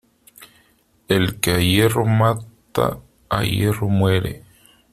El que a hierro mata a hierro muere.